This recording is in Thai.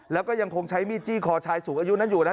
แล้วก็ยังคงใช้มีดจี้คอชายสูงอายุนั้นอยู่นะ